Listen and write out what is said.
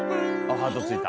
ハートついた。